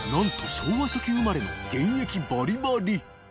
昭和初期生まれの現役バリバリＪＰ）